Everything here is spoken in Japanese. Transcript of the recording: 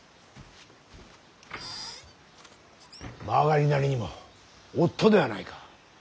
曲がりなりにも夫ではないか。